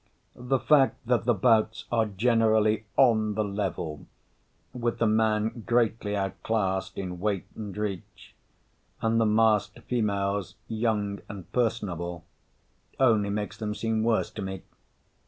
The fact that the bouts are generally "on the level," with the man greatly outclassed in weight and reach and the masked females young and personable, only makes them seem worse to me.